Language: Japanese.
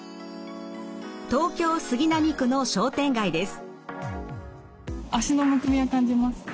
東京・杉並区の商店街です。